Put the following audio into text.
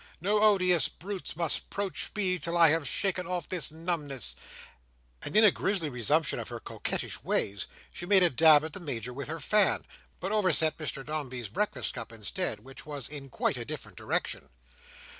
No odious brutes must proach me till I've shaken off this numbness;" and in a grisly resumption of her coquettish ways, she made a dab at the Major with her fan, but overset Mr Dombey's breakfast cup instead, which was in quite a different direction.